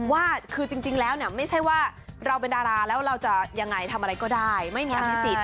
ว่าคือจริงแล้วเนี่ยไม่ใช่ว่าเราเป็นดาราแล้วเราจะยังไงทำอะไรก็ได้ไม่มีอภิษฎ